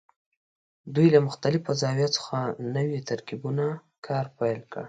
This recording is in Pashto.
دوی له مختلفو زاویو څخه نوو ترکیبونو کار پیل کړ.